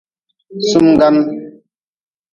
Sumgan.